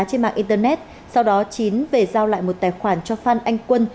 trên mạng internet sau đó chín về giao lại một tài khoản cho phan anh quân